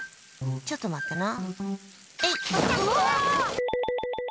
ちょっと待ってな。